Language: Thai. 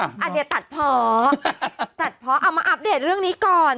อันนี้ตัดพอตัดพอเอามาอัปเดตเรื่องนี้ก่อน